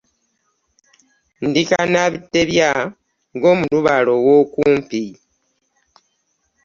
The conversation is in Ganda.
Nti kannantebya ng'omulubaale w'okumpi .